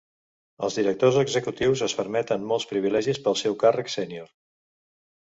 Els directors executius es permeten molts privilegis pel seu càrrec sènior.